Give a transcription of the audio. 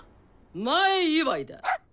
前祝いだ！